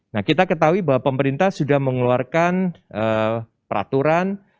nah kita ketahui bahwa pemerintah sudah mengeluarkan peraturan